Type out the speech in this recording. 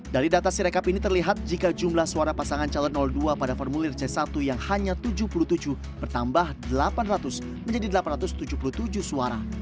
dari data sirekap ini terlihat jika jumlah suara pasangan calon dua pada formulir c satu yang hanya tujuh puluh tujuh bertambah delapan ratus menjadi delapan ratus tujuh puluh tujuh suara